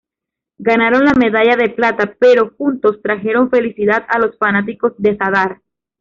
Ganaron la medalla de plata, pero juntos trajeron felicidad a los fanáticos de Zadar.